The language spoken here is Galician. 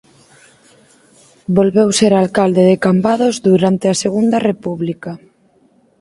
Volveu ser alcalde de Cambados durante a Segunda República.